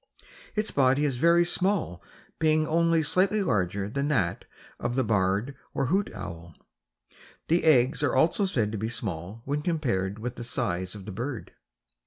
Its body is very small being only slightly larger than those of the barred or hoot owl. The eggs are also said to be small when compared with the size of the bird.